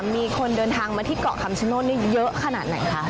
มีคนเดินทางมาที่เกาะคำชโนธนี่เยอะขนาดไหนคะ